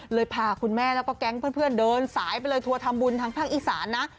พาคุณแม่แล้วก็แก๊งเพื่อนเดินสายไปเลยทัวร์ทำบุญทางภาคอีสานนะ